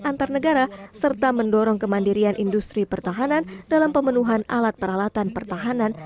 antar negara serta mendorong kemandirian industri pertahanan dalam pemenuhan alat peralatan pertahanan